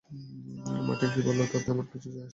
Martin কি বলল তাতে আমার কিছু যায় আসে না।